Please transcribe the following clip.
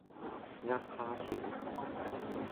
呃蝦條